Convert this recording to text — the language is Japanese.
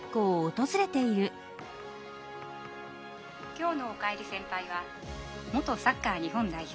「きょうの『おかえり先輩』は元サッカー日本代表